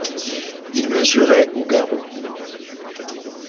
Il mesurait au garrot.